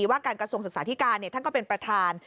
ว่าการกระทรวงศึกษาธิการท่านก็เป็นประธาน